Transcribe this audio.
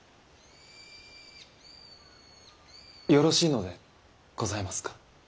よろしいのでございますか？